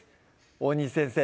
大西先生